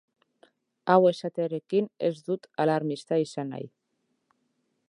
Hau esatearekin ez dut alarmista izan nahi.